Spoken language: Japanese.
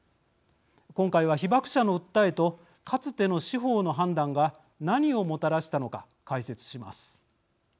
今回は、被爆者の訴えとかつての司法の判断が何をもたらしたのか解説します。